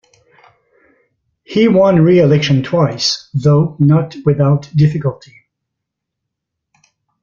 He won re-election twice, though not without difficulty.